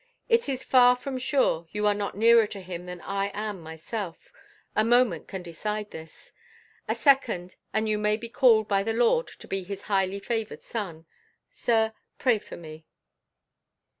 It is far from sure you are not nearer to Him than I am myself; a moment can decide this. A second, and you may be called by the Lord to be His highly favoured son. Sir, pray for me."